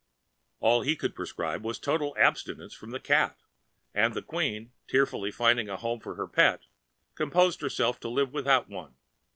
All he could prescribe was a total abstinence from cat; and the Queen, tearfully finding a home for her pet, composed herself to live without one.